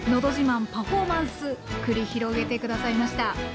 パフォーマンス繰り広げてくださいました。